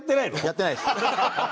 やってないです。